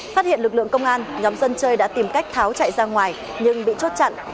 phát hiện lực lượng công an nhóm dân chơi đã tìm cách tháo chạy ra ngoài nhưng bị chốt chặn